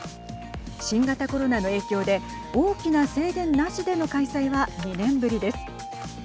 新型コロナの影響で大きな制限なしでの開催は２年ぶりです。